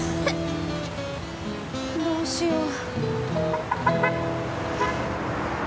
どうしよう。